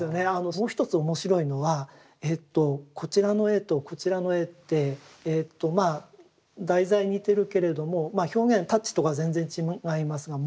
もう一つ面白いのはこちらの絵とこちらの絵って題材似てるけれども表現タッチとか全然違いますがもう一つですね